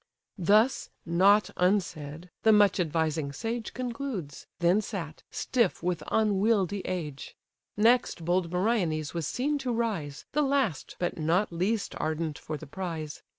Thus (nought unsaid) the much advising sage Concludes; then sat, stiff with unwieldy age. Next bold Meriones was seen to rise, The last, but not least ardent for the prize.